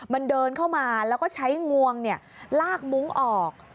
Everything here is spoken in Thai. มันเดินเข้ามาแล้วก็ใช้งวงลากมุ้งออก